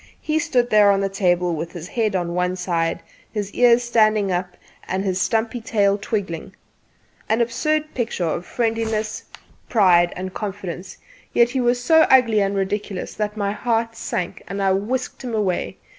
He stood there on the table with his head on one side, one ear standing up, and his stumpy tail twiggling an absurd picture of friendliness, pride and confidence; yet he was so ugly and ridiculous that my heart sank, and I whisked him away.